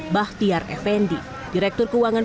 bahtiar effendi direktur keuangan pt asabri